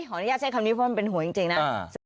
อนุญาตใช้คำนี้เพราะมันเป็นหัวจริงนะ